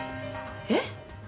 えっ？